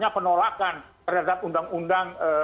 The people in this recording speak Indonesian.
penolakan terhadap undang undang